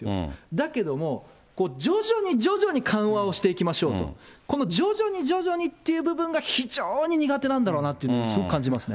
だけども、徐々に徐々に緩和をしていきましょうと、この徐々に徐々にっていう部分が、非常に苦手なんだろうなっていうのをすごく感じますよね。